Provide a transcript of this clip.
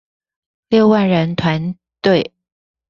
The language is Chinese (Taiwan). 六萬人團隊